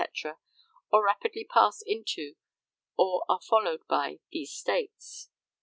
or rapidly pass into, or are followed by, these states."